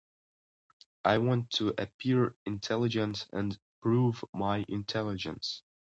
I want to appear intelligent and prove my intelligence.